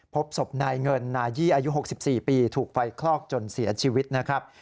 พบศพนายเงินนายี่อายุ๖๔ปีถูกไฟคลอกจนเสียชีวิตนะครับ